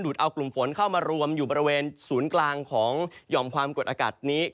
เอากลุ่มฝนเข้ามารวมอยู่บริเวณศูนย์กลางของหย่อมความกดอากาศนี้